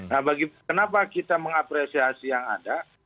nah kenapa kita mengapresiasi yang ada